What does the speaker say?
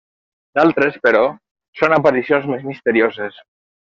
D'altres, però, són aparicions més misterioses.